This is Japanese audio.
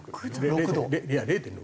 ０．６。